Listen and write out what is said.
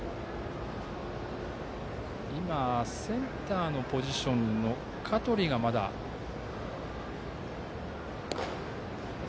今、センターのポジションの香取がまだ出てきていません。